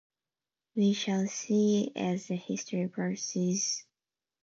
We shall see, as the history proceeds, how Mithridates justified his choice.